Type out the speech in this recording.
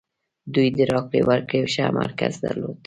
دوی د راکړې ورکړې ښه مرکز درلود.